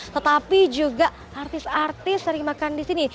tetapi juga artis artis sering makan di sini